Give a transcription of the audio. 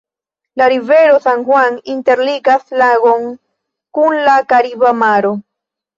La rivero San-Juan interligas lagon kun la Kariba Maro.